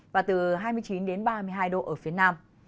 và từ hai mươi chín đến ba mươi hai độ ở phía nam